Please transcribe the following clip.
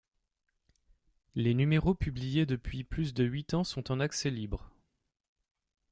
Les numéros publiés depuis plus de huit ans sont en accès libre.